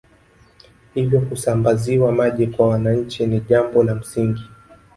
Hivyo kusamabaziwa maji kwa wananchi ni jambo la msingi